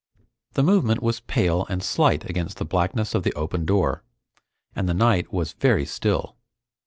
The movement was pale and slight against the blackness of the open door, and the night was very still.